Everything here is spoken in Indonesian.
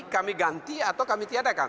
kami ganti atau kami tiadakan